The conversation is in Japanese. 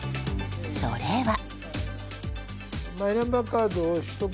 それは。